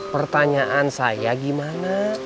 pertanyaan saya gimana